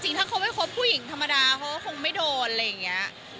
ถ้าเขาไม่คบผู้หญิงธรรมดาเขาก็คงไม่โดนอะไรอย่างนี้